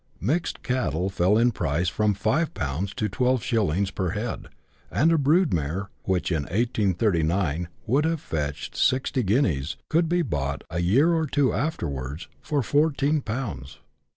Mixed cattle fell in price from five pounds to twelve shillings per head, and a Vjrood mare, which in 1839 would have fetched sixty guineas, could be bought a year or two afterwards for four teen pounds.